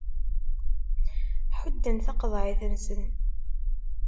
Ḥudden taqeḍɛit-nsen.